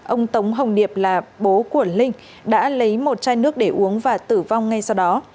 ông tống hồng điệp là bố của linh đã lấy một chai nước để uống và tử vong ngay sau đó